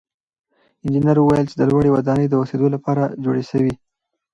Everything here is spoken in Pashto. انجنیر وویل چې لوړې ودانۍ د اوسېدو لپاره جوړې سوې.